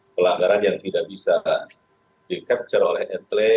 pelanggaran yang tidak bisa di capture oleh atle